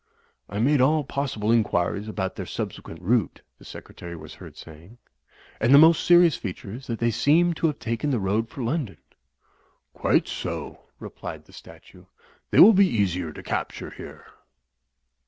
"I made all possible inquiries about their subsequent route," the Secretary was heard saying, "and the most serious feature is that they seem to have taken the road for London." "Quite so/' replied the statue, "they will be easier to capture here."